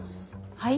はい？